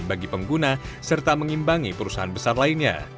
bagi pengguna serta mengimbangi perusahaan besar lainnya